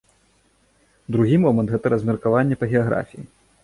Другі момант, гэта размеркаванне па геаграфіі.